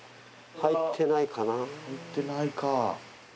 入ってないか。